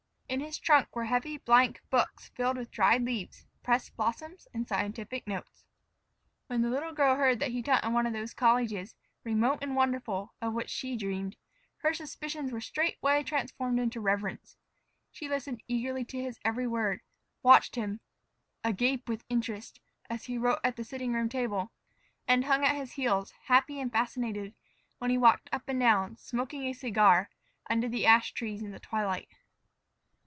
In his trunk were heavy blank books filled with dried leaves, pressed blossoms, and scientific notes. When the little girl heard that he taught in one of those colleges, remote and wonderful, of which she dreamed, her suspicions were straightway transformed into reverence. She listened eagerly to his every word, watched him, agape with interest, as he wrote at the sitting room table, and hung at his heels, happy and fascinated, when he walked up and down, smoking a cigar, under the ash trees in the twilight.